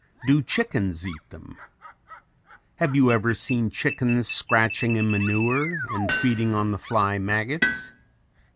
Do chickens eat them? Have you ever seen chickens scratching in manure and feeding on the fly maggots?